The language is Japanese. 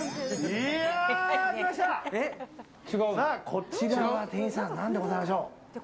こちらは店員さん何でございましょう？